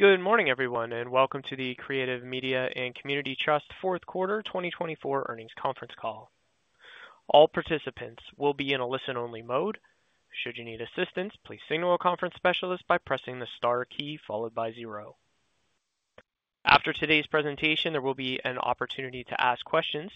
Good morning, everyone, and welcome to the Creative Media & Community Trust fourth quarter 2024 earnings conference call. All participants will be in a listen-only mode. Should you need assistance, please signal a conference specialist by pressing the star key followed by zero. After today's presentation, there will be an opportunity to ask questions.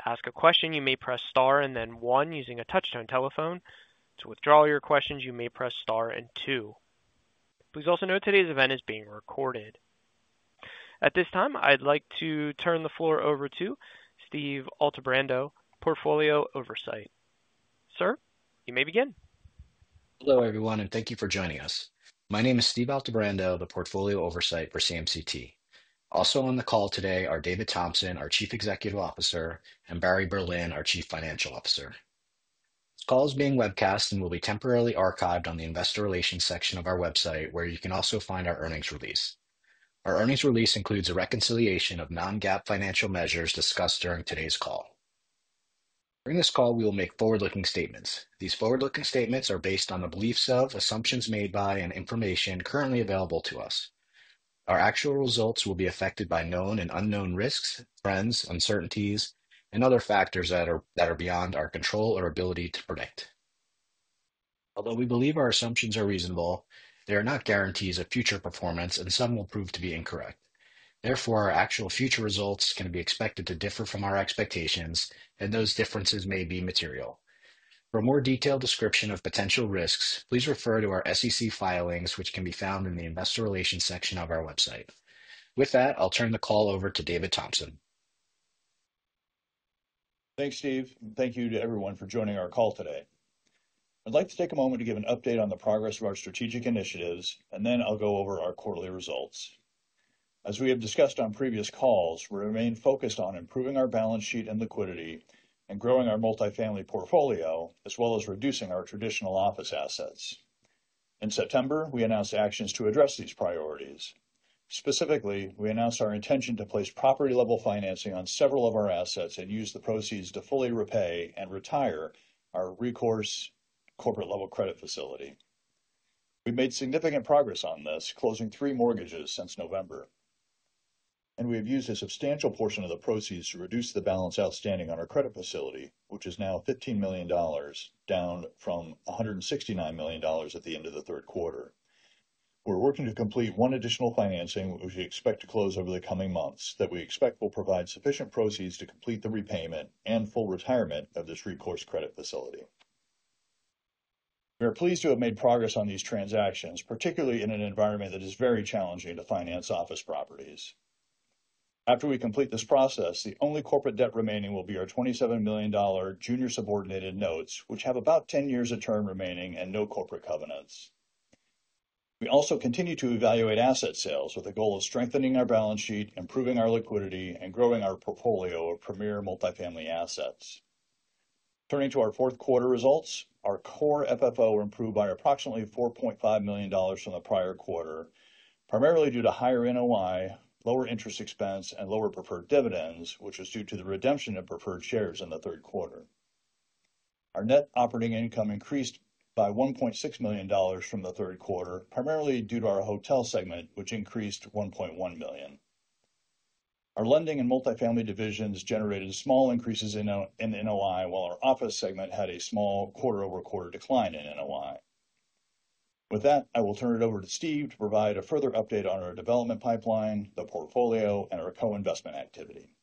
To ask a question, you may press star and then one using a touch-tone telephone. To withdraw your questions, you may press star and two. Please also note today's event is being recorded. At this time, I'd like to turn the floor over to Steve Altebrando, Portfolio Oversight. Sir, you may begin. Hello, everyone, and thank you for joining us. My name is Steve Altebrando, the Portfolio Oversight for CMCT. Also on the call today are David Thompson, our Chief Executive Officer, and Barry Berlin, our Chief Financial Officer. This call is being webcast and will be temporarily archived on the Investor relations section of our website, where you can also find our earnings release. Our earnings release includes a reconciliation of non-GAAP financial measures discussed during today's call. During this call, we will make forward-looking statements. These forward-looking statements are based on the beliefs of, assumptions made by, and information currently available to us. Our actual results will be affected by known and unknown risks, trends, uncertainties, and other factors that are beyond our control or ability to predict. Although we believe our assumptions are reasonable, they are not guarantees of future performance, and some will prove to be incorrect. Therefore, our actual future results can be expected to differ from our expectations, and those differences may be material. For a more detailed description of potential risks, please refer to our SEC filings, which can be found in the Investor Relations section of our website. With that, I'll turn the call over to David Thompson. Thanks, Steve, and thank you to everyone for joining our call today. I'd like to take a moment to give an update on the progress of our strategic initiatives, and then I'll go over our quarterly results. As we have discussed on previous calls, we remain focused on improving our balance sheet and liquidity and growing our multifamily portfolio, as well as reducing our traditional office assets. In September, we announced actions to address these priorities. Specifically, we announced our intention to place property-level financing on several of our assets and use the proceeds to fully repay and retire our recourse corporate-level credit facility. We've made significant progress on this, closing three mortgages since November, and we have used a substantial portion of the proceeds to reduce the balance outstanding on our credit facility, which is now $15 million, down from $169 million at the end of the third quarter. We're working to complete one additional financing, which we expect to close over the coming months, that we expect will provide sufficient proceeds to complete the repayment and full retirement of this recourse credit facility. We are pleased to have made progress on these transactions, particularly in an environment that is very challenging to finance office properties. After we complete this process, the only corporate debt remaining will be our $27 million junior subordinated notes, which have about 10 years of term remaining and no corporate covenants. We also continue to evaluate asset sales with the goal of strengthening our balance sheet, improving our liquidity, and growing our portfolio of premier multifamily assets. Turning to our fourth quarter results, our core FFO improved by approximately $4.5 million from the prior quarter, primarily due to higher NOI, lower interest expense, and lower preferred dividends, which was due to the redemption of preferred shares in the third quarter. Our net operating income increased by $1.6 million from the third quarter, primarily due to our hotel segment, which increased $1.1 million. Our lending and multifamily divisions generated small increases in NOI, while our office segment had a small quarter-over-quarter decline in NOI. With that, I will turn it over to Steve to provide a further update on our development pipeline, the portfolio, and our co-investment activity.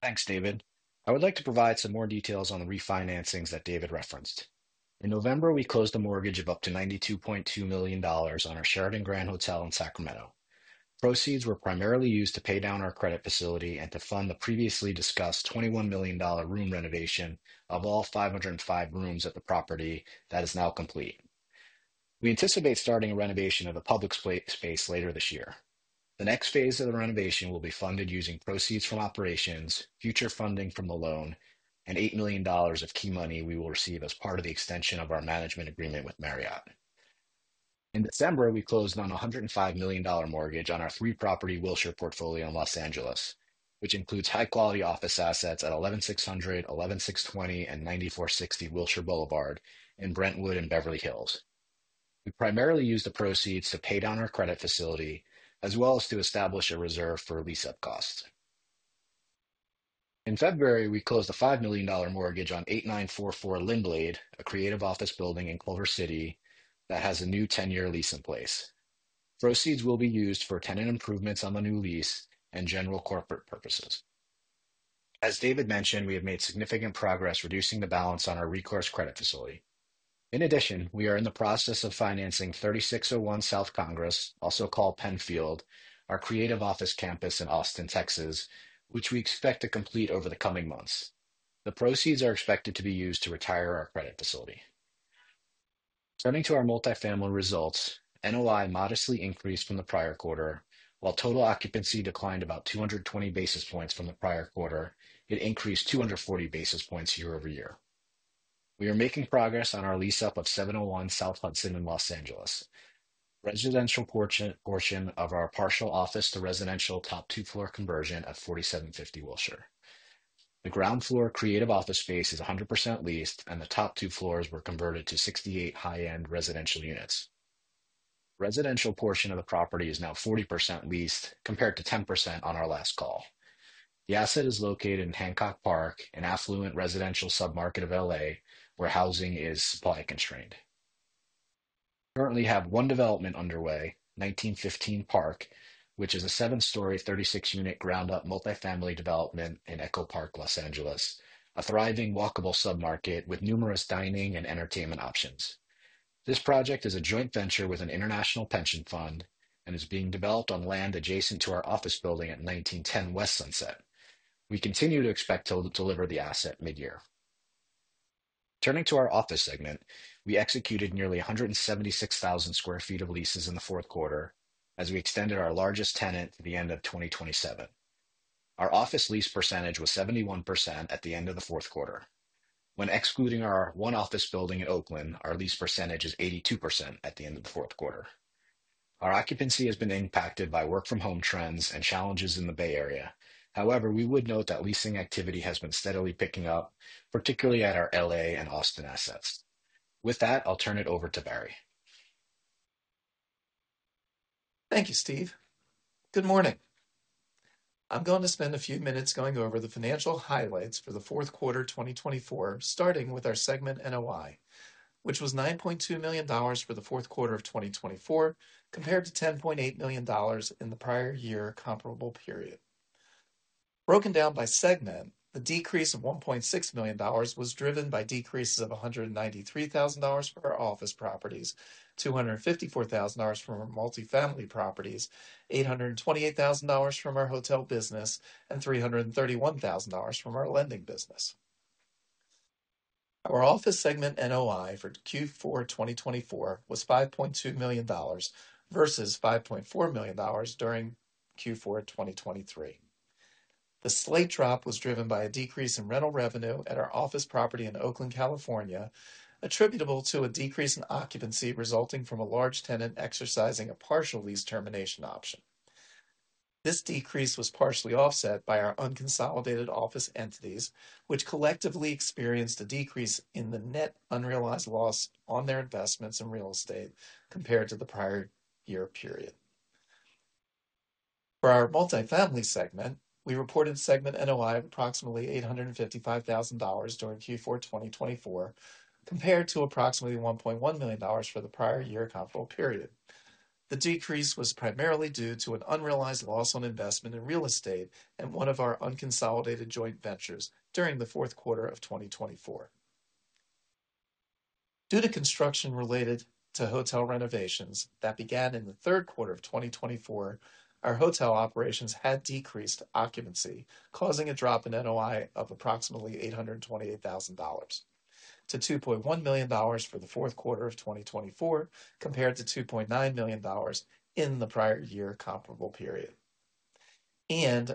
Thanks, David. I would like to provide some more details on the refinancings that David referenced. In November, we closed a mortgage of up to $92.2 million on our Sheraton Grand Hotel in Sacramento. Proceeds were primarily used to pay down our credit facility and to fund the previously discussed $21 million room renovation of all 505 rooms at the property that is now complete. We anticipate starting renovation of the public space later this year. The next phase of the renovation will be funded using proceeds from operations, future funding from the loan, and $8 million of key money we will receive as part of the extension of our management agreement with Marriott. In December, we closed on a $105 million mortgage on our three-property Wilshire portfolio in Los Angeles, which includes high-quality office assets at 11600, 11620, and 9460 Wilshire Boulevard in Brentwood and Beverly Hills. We primarily used the proceeds to pay down our credit facility, as well as to establish a reserve for lease-up costs. In February, we closed a $5 million mortgage on 8944 Lindblade, a creative office building in Culver City that has a new 10-year lease in place. Proceeds will be used for tenant improvements on the new lease and general corporate purposes. As David mentioned, we have made significant progress reducing the balance on our recourse credit facility. In addition, we are in the process of financing 3601 South Congress, also called Penfield, our creative office campus in Austin, Texas, which we expect to complete over the coming months. The proceeds are expected to be used to retire our credit facility. Turning to our multifamily results, NOI modestly increased from the prior quarter. While total occupancy declined about 220 basis points from the prior quarter, it increased 240 basis points year-over-year. We are making progress on our lease-up of 701 South Hudson in Los Angeles, residential portion of our partial office to residential top two-floor conversion at 4750 Wilshire. The ground floor creative office space is 100% leased, and the top two floors were converted to 68 high-end residential units. The residential portion of the property is now 40% leased, compared to 10% on our last call. The asset is located in Hancock Park, an affluent residential submarket of Los Angeles, where housing is supply constrained. We currently have one development underway, 1915 Park, which is a seven-story, 36-unit ground-up multifamily development in Echo Park, Los Angeles, a thriving walkable submarket with numerous dining and entertainment options. This project is a joint venture with an international pension fund and is being developed on land adjacent to our office building at 1910 West Sunset. We continue to expect to deliver the asset mid-year. Turning to our office segment, we executed nearly 176,000 sq ft of leases in the fourth quarter as we extended our largest tenant to the end of 2027. Our office lease percentage was 71% at the end of the fourth quarter. When excluding our one office building in Oakland, our lease percentage is 82% at the end of the fourth quarter. Our occupancy has been impacted by work-from-home trends and challenges in the Bay Area. However, we would note that leasing activity has been steadily picking up, particularly at our LA and Austin assets. With that, I'll turn it over to Barry. Thank you, Steve. Good morning. I'm going to spend a few minutes going over the financial highlights for the fourth quarter 2024, starting with our segment NOI, which was $9.2 million for the fourth quarter of 2024, compared to $10.8 million in the prior year comparable period. Broken down by segment, the decrease of $1.6 million was driven by decreases of $193,000 for our office properties, $254,000 from our multifamily properties, $828,000 from our hotel business, and $331,000 from our lending business. Our office segment NOI for Q4 2024 was $5.2 million versus $5.4 million during Q4 2023. The slight drop was driven by a decrease in rental revenue at our office property in Oakland, California, attributable to a decrease in occupancy resulting from a large tenant exercising a partial lease termination option. This decrease was partially offset by our unconsolidated office entities, which collectively experienced a decrease in the net unrealized loss on their investments in real estate compared to the prior year period. For our multifamily segment, we reported segment NOI of approximately $855,000 during Q4 2024, compared to approximately $1.1 million for the prior year comparable period. The decrease was primarily due to an unrealized loss on investment in real estate and one of our unconsolidated joint ventures during the fourth quarter of 2024. Due to construction related to hotel renovations that began in the third quarter of 2024, our hotel operations had decreased occupancy, causing a drop in NOI of approximately $828,000-$2.1 million for the fourth quarter of 2024, compared to $2.9 million in the prior year comparable period.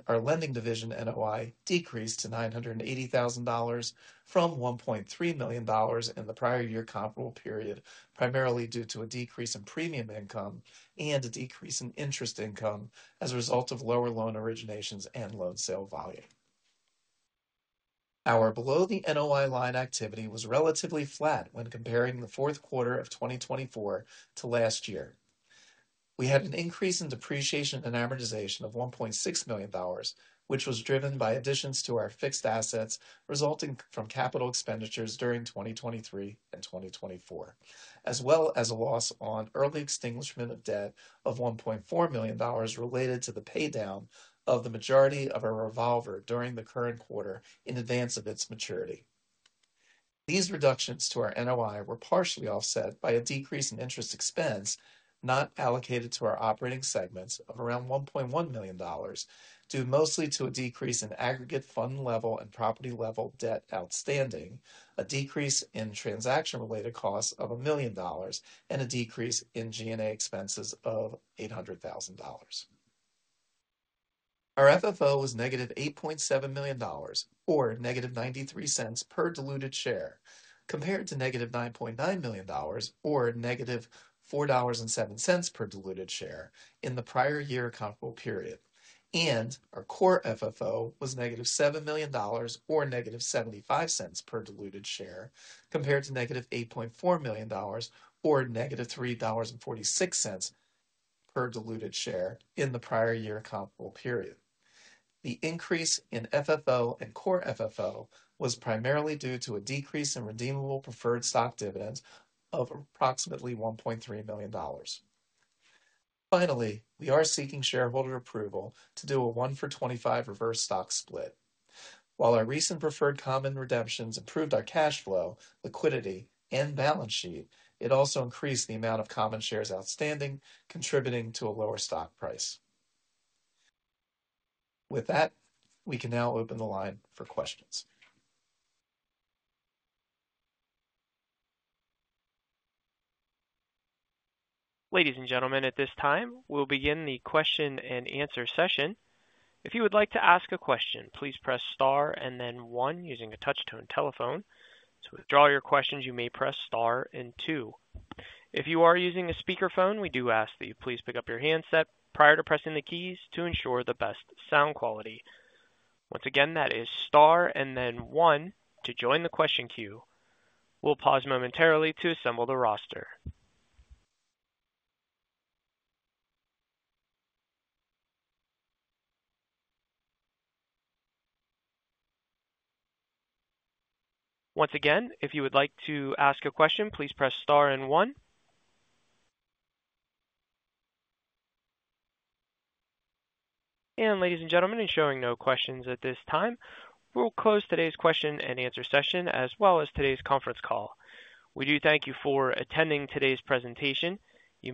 Our lending division NOI decreased to $980,000 from $1.3 million in the prior year comparable period, primarily due to a decrease in premium income and a decrease in interest income as a result of lower loan originations and loan sale volume. Our below-the-NOI line activity was relatively flat when comparing the fourth quarter of 2024 to last year. We had an increase in depreciation and amortization of $1.6 million, which was driven by additions to our fixed assets resulting from capital expenditures during 2023 and 2024, as well as a loss on early extinguishment of debt of $1.4 million related to the paydown of the majority of our revolver during the current quarter in advance of its maturity. These reductions to our NOI were partially offset by a decrease in interest expense not allocated to our operating segments of around $1.1 million, due mostly to a decrease in aggregate fund level and property level debt outstanding, a decrease in transaction-related costs of $1 million, and a decrease in G&A expenses of $800,000. Our FFO was -$8.7 million, or -$0.93 per diluted share, compared to -$9.9 million, or -$4.07 per diluted share in the prior year comparable period. Our core FFO was -$7 million, or -$0.75 per diluted share, compared to -$8.4 million, or -$3.46 per diluted share in the prior year comparable period. The increase in FFO and core FFO was primarily due to a decrease in redeemable preferred stock dividends of approximately $1.3 million. Finally, we are seeking shareholder approval to do a 1-for-25 reverse stock split. While our recent preferred common redemptions improved our cash flow, liquidity, and balance sheet, it also increased the amount of common shares outstanding, contributing to a lower stock price. With that, we can now open the line for questions. Ladies and gentlemen, at this time, we'll begin the question and answer session. If you would like to ask a question, please press star and then one using a touch-tone telephone. To withdraw your questions, you may press star and two. If you are using a speakerphone, we do ask that you please pick up your handset prior to pressing the keys to ensure the best sound quality. Once again, that is star and then one to join the question queue. We'll pause momentarily to assemble the roster. Once again, if you would like to ask a question, please press star and one. Ladies and gentlemen, ensuring no questions at this time, we'll close today's question and answer session, as well as today's conference call. We do thank you for attending today's presentation. You.